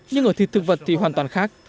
nhưng ở thịt thực vật thì hoàn toàn khác